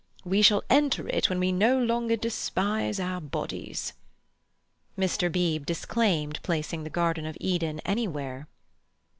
We shall enter it when we no longer despise our bodies." Mr. Beebe disclaimed placing the Garden of Eden anywhere.